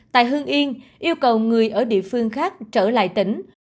tại hương yên yêu cầu người ở địa phương khác trở lại tỉnh